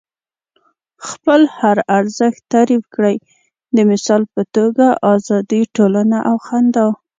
خپل هر ارزښت تعریف کړئ. د مثال په توګه ازادي، ټولنه او خندا.